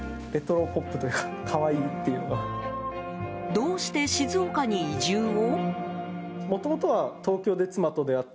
どうして静岡に移住を？